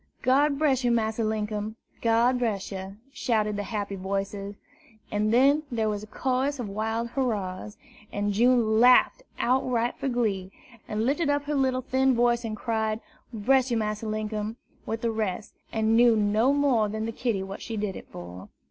"God bress yer, Massa Linkum, God bress yer!" shouted the happy voices; and then there was a chorus of wild hurrahs, and June laughed outright for glee, and lifted up her little thin voice and cried, "Bress yer, Massa Linkum!" with the rest, and knew no more than the kitty what she did it for.